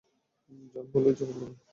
যান হলি উদযাপন করুন।